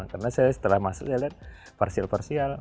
karena saya setelah masuk saya lihat parsial parsial